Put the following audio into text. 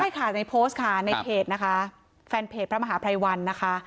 ใช่ค่ะในโพสต์ค่ะในเพจนะคะแฟนเพจพระมหาภัยวันนะคะ